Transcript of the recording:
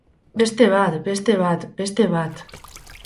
Beste bat, beste bat, beste bat.